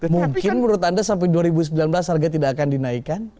mungkin menurut anda sampai dua ribu sembilan belas harga tidak akan dinaikkan